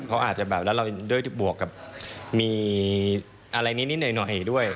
เขาอาจจะแบบแล้วเราด้วยบวกกับมีอะไรนิดหน่อยด้วย